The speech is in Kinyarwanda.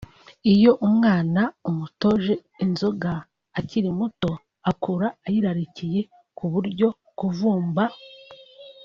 Iyo umwana umutoje inzoga akiri muto akura ayirarikiye ku buryo kuvumba